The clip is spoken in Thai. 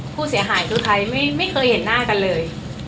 ผู้เสียหายคือใครไม่เคยเห็นหน้ากันเลย